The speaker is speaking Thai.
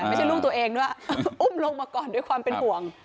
ไม่ใช่ลูกตัวเองด้วยอุ้มลงมาก่อนด้วยความเป็นห่วง